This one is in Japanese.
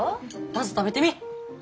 まず食べてみー。